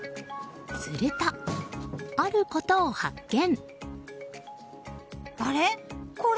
すると、あることを発見。